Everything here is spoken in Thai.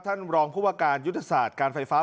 ท่านรองผู้ว่าการยุทธศาสตร์การไฟฟ้า